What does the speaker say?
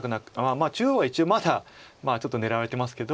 まあ中央は一応まだちょっと狙われてますけど。